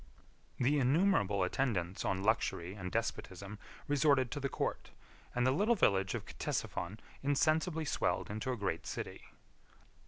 40 The innumerable attendants on luxury and despotism resorted to the court, and the little village of Ctesiphon insensibly swelled into a great city.